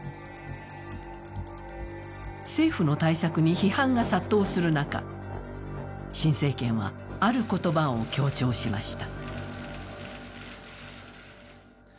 政府の対策に批判が殺到する中、新政権はある言葉を強調しました。